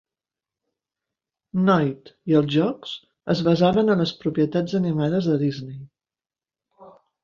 Noid i els jocs es basaven a les propietats animades de Disney.